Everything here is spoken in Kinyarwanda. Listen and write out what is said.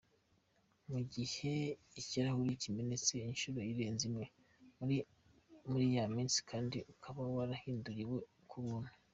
Mugihe ikirahuri kimenetse inshuro irenze imwe muri ya minsi kandi ukaba warahinduriwe k’ubuntu .